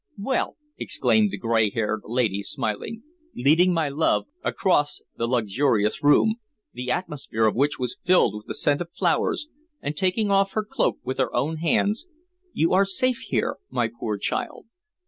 "Well," exclaimed the gray haired lady smiling, leading my love across the luxurious room, the atmosphere of which was filled with the scent of flowers, and taking off her cloak with her own hands, "you are safe here, my poor child.